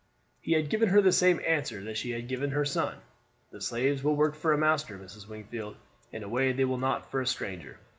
He had given her the same answer that she had given her son: "The slaves will work for a master, Mrs. Wingfield, in a way they will not for a stranger.